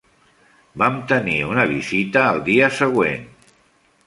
Vam tenir una visita el dia següent.